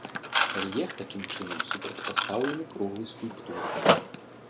Рэльеф такім чынам супрацьпастаўлены круглай скульптуры.